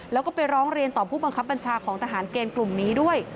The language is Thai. แล้วก็ไปร้องเรียนต่อผู้บังคับบัญชาของทหารเกณฑ์กลุ่มนี้ด้วย